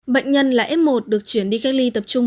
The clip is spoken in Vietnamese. bệnh nhân là f một được chuyển đi cách ly tập trung